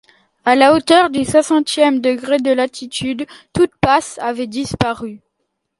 À la hauteur du soixantième degré de latitude, toute passe avait disparu.